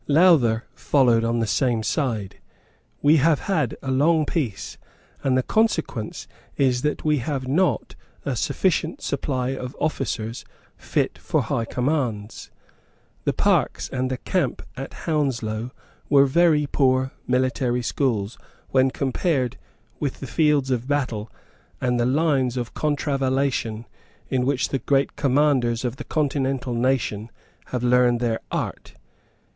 Lowther followed on the same side. "We have had a long peace; and the consequence is that we have not a sufficient supply of officers fit for high commands. The parks and the camp at Hounslow were very poor military schools, when compared with the fields of battle and the lines of contravallation in which the great commanders of the continental nations have learned their art."